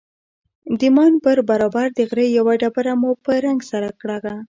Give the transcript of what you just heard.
د ماين پر برابر د غره يوه ډبره مو په رنگ سره کړه.